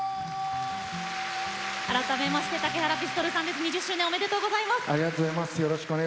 改めまして、竹原ピストルさん２０周年おめでとうございます。